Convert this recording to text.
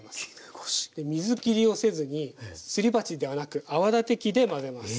水きりをせずにすり鉢ではなく泡立て器で混ぜます。